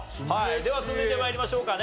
では続いて参りましょうかね。